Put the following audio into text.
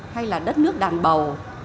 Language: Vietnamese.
hay là đất nước đàn bầu